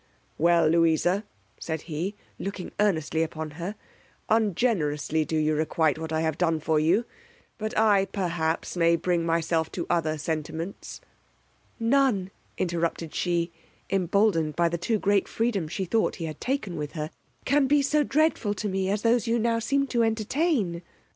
Well, Louisa, said he, looking earnestly upon her, ungenerously do you requite what I have done for you; but I, perhaps, may bring myself to other sentiments. None, interrupted she, emboldened by the too great freedom she thought he had taken with her, can be so dreadful to me as those you now seem to entertain.